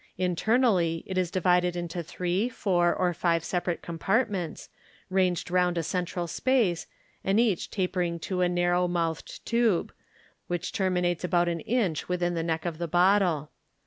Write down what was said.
Internally it is divided into three, four, or rive separate compart ments, ranged round a cen tral space, and each taperii g to a narrow mouthed tube, wliLh terminates about an inch within the neck of the bottle.